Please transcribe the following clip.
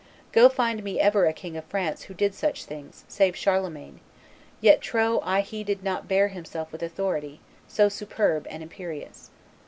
Go find me ever a King of France who did such things, save Charlemagne; yet trow I he did not bear himself with authority so superb and imperious.